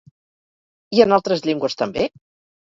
I en altres llengües també?